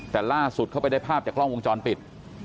แต่ล่าสุดเข้าไปได้ภาพจากกล้องวงจรปิด